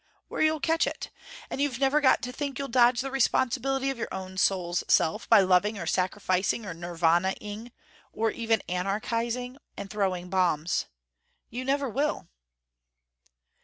Or you'll catch it. And you've never got to think you'll dodge the responsibility of your own soul's self, by loving or sacrificing or Nirvaning or even anarchising and throwing bombs. You never will...."